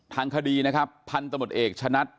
ทางคดีนะครับพันธมตเอกชะนัด